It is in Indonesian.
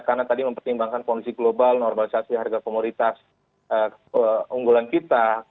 karena tadi mempertimbangkan kondisi global normalisasi harga komoditas unggulan kita